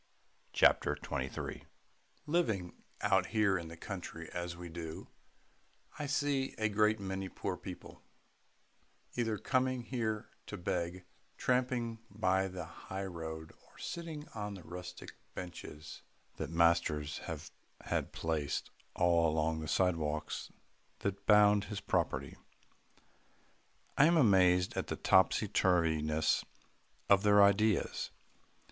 CHAPTER XXIII MASTER'S BROTHER BOYS Living out here in the country as we do, I see a great many poor people, either coming here to beg, tramping by on the high road, or sitting on the rustic benches that master has had placed all along the sidewalks that bound his property. I am amazed at the topsy turviness of their ideas.